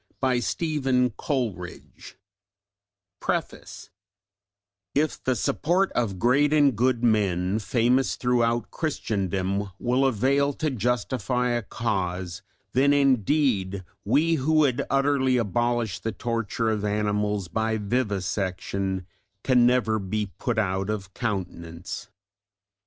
PLYMOUTH, ENGLAND PREFACE If the support of great and good men, famous throughout Christendom, will avail to justify a cause, then indeed we who would utterly abolish the torture of animals by vivisection can never be put out of countenance.